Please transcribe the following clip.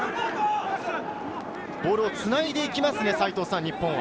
ボールをつないでいきます。